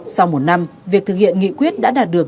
sau một năm việc thực hiện nghị quyết đã đạt được